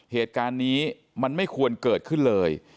เหตุการณ์นี้มันไม่ควรเกิดขึ้นเลย